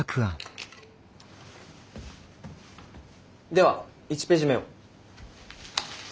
では１ページ目を。